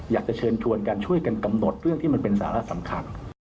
อยากจะเชิญชวนกันช่วยกันกำหนดเรื่องที่มันเป็นสาระสำคัญ